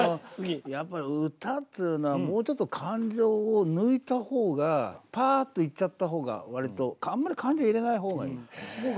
やっぱり歌っつうのはもうちょっと感情を抜いたほうがパーッといっちゃったほうがわりとあんまり感情入れないほうがいい。